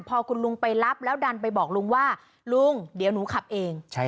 พอคุณลุงไปรับแล้วดันไปบอกลุงว่าลุงเดี๋ยวหนูขับเอง